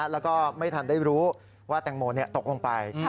แล้วก็ไม่ทันได้รู้ว่าแตงโมตกลงไป